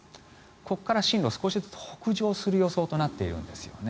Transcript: ここから進路、少しずつ北上する予想となっているんですよね。